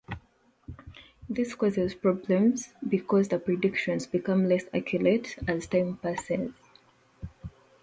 This causes problems because the predictions become less accurate as time passes.